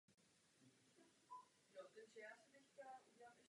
Jejím současným arcibiskupem je kardinál Timothy Dolan.